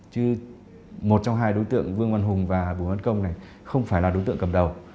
chứ một trong hai đối tượng vương văn hùng và bùi văn công này không phải là đối tượng cầm đầu